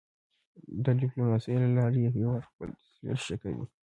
د ډیپلوماسی له لارې یو هېواد خپل تصویر ښه کوی.